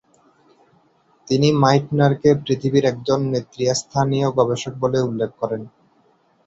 তিনি মাইটনারকে পৃথিবীর একজন নেতৃস্থানীয় গবেষক বলে উল্লেখ করেন।